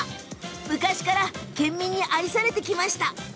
昔から県民に愛されてきました。